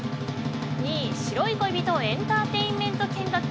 ２位、白い恋人エンターテインメント見学。